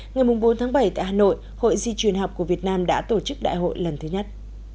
ngày bốn tháng bảy tại hà nội hội di truyền học của việt nam đã tổ chức đại hội lần thứ nhất